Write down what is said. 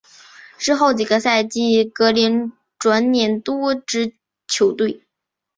之后几个赛季格林转辗多支球队。